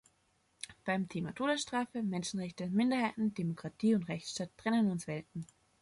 Beim Thema Todesstrafe, Menschenrechte, Minderheiten, Demokratie und Rechtsstaat trennen uns Welten.